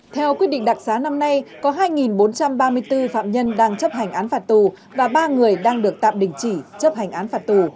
theo quyết định đặc xá năm nay có hai bốn trăm ba mươi bốn phạm nhân đang chấp hành án phạt tù và ba người đang được tạm đình chỉ chấp hành án phạt tù